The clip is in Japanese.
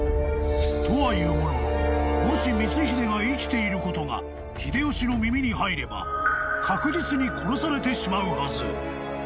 ［とは言うもののもし光秀が生きていることが秀吉の耳に入れば確実に殺されてしまうはず］